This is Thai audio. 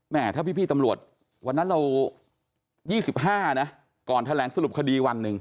ถ้าพี่ตำรวจวันนั้นเรา๒๕นะก่อนแถลงสรุปคดีวันหนึ่ง